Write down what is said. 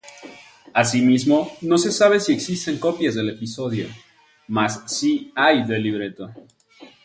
Asimismo, no se sabe si existen copias del episodio, mas sí hay del libreto.